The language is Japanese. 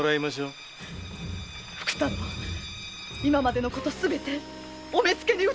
福太郎今までの事すべてお目付に訴えて出ます‼